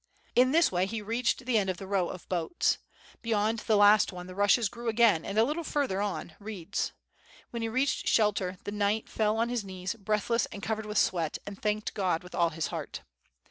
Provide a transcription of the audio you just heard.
In this way he reached the end of the row of boats. Be yond the last one the rushes grew again and a little further on reeds. When he reached shelter the knight fell on his knees, breathless and covered with sweat, and thanked God with all his heart.